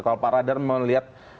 kalau pak radar melihat